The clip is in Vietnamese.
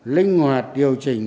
linh hoạt điều chỉnh